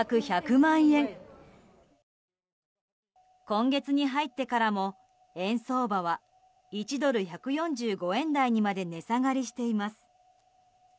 今月に入ってからも円相場は１ドル＝１４５円台にまで値下がりしています。